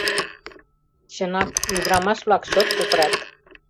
Чынак, ӱдырамаш-влак чот кутырат.